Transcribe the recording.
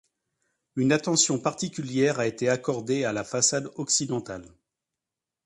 Une attention particulière a été accordée à la façade occidentale.